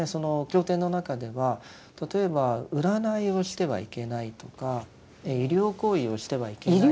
経典の中では例えば占いをしてはいけないとか医療行為をしてはいけない。